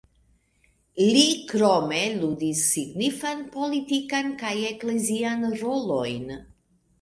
Li krome ludis signifan politikan kaj eklezian rolojn.